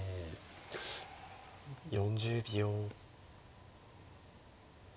４０秒。